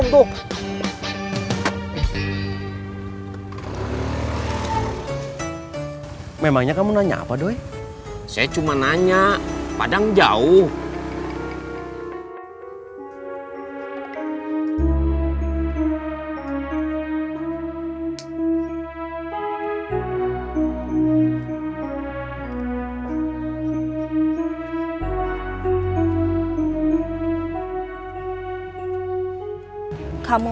gak seenak apa yang dibilang cu yoyo sama kamu